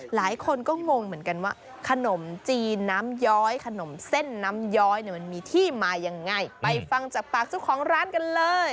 หลายคนก็งงเหมือนกันว่าขนมจีนน้ำย้อยขนมเส้นน้ำย้อยเนี่ยมันมีที่มายังไงไปฟังจากปากเจ้าของร้านกันเลย